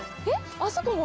あそこもう。